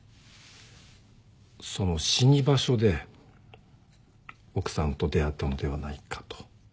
その死に場所で奥さんと出会ったのではないかと。